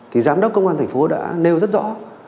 thì giám đốc công an thành phố đã nêu rất rõ